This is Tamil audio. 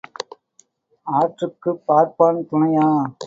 ஆற்றுக்குப் பார்ப்பான் துணையா?